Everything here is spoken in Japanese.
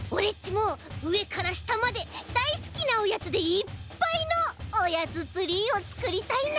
もうえからしたまでだいすきなおやつでいっぱいのおやつツリーをつくりたいな！